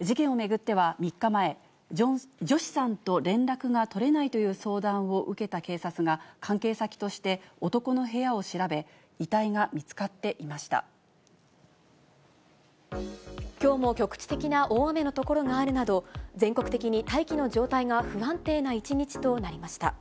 事件を巡っては３日前、ジョシさんと連絡が取れないという相談を受けた警察が、関係先として、男の部屋を調べ、遺体が見つかっきょうも局地的な大雨の所があるなど、全国的に大気の状態が不安定な一日となりました。